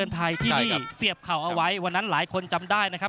ไทยที่เสียบเข่าเอาไว้วันนั้นหลายคนจำได้นะครับ